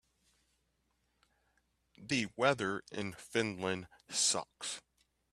The weather in Finland sucks.